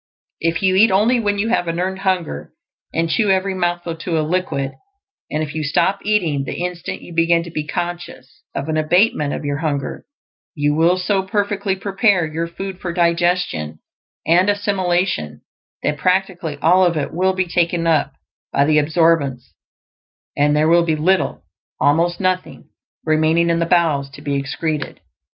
If you eat only when you have an EARNED HUNGER, and chew every mouthful to a liquid, and if you stop eating the instant you BEGIN to be conscious of an abatement of your hunger, you will so perfectly prepare your food for digestion and assimilation that practically all of it will be taken up by the absorbents; and there will be little almost nothing remaining in the bowels to be excreted.